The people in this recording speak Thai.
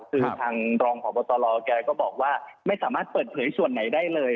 คือทางรองพบตรแกก็บอกว่าไม่สามารถเปิดเผยส่วนไหนได้เลย